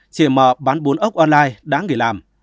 chỉ mở bán bún ốc online đã nghỉ làm